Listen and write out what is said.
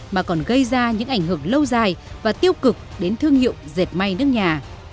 mà còn gây ra những ảnh hưởng lâu dài và tiêu cực đến thương hiệu dệt may nước nhà